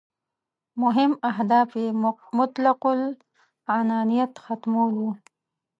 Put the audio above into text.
مهم اهداف یې مطلق العنانیت ختمول وو.